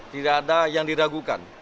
tidak ada yang diragukan